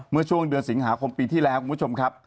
เมื่อช่วงเดือนสิงหาคมปีที่แล้วคุณผู้ชมครับ